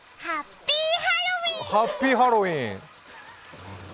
ハッピー・ハロウィーン！